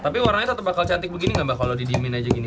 tapi warnanya satu bakal cantik begini nggak mbak kalau didiemin aja gini